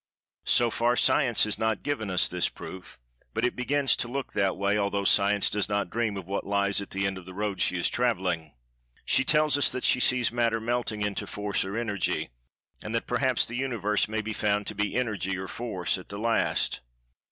So far, Science has not given us this proof, but it begins to look that way, although Science does not dream of what lies at the end of the road she is travelling. She tells us that she sees Matter melting into Force or Energy, and that perhaps the Universe may be found to be Energy or Force, at the last.